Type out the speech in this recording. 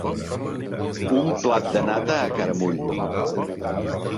Un plat de nata a caramull.